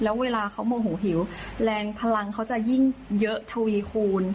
แล้วเวลาเขาโมโหหิวแรงพลังเขาจะยิ่งเยอะทวีคูณ